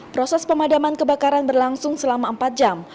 proses pemadaman kebakaran berlangsung selama empat jam